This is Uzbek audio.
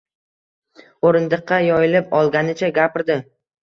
O’rindiqqa yoyilib olganicha gapirdi.